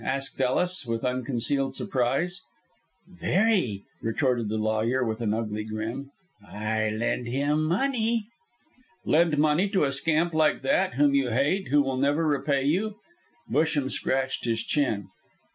asked Ellis, with unconcealed surprise. "Very!" retorted the lawyer, with an ugly grin. "I lend him money." "Lend money to a scamp like that, whom you hate, who will never repay you?" Busham scratched his chin.